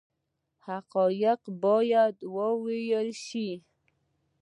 حقایق باید وویل شي